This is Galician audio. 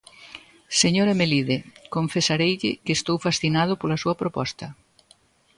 Señora Melide, confesareille que estou fascinado pola súa proposta.